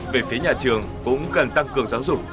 về phía nhà trường cũng cần tăng cường giáo dục